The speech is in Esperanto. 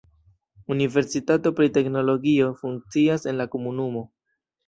Universitato pri teknologio funkcias en la komunumo.